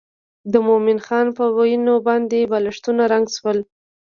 د مومن خان په وینو باندې بالښتونه رنګ شول.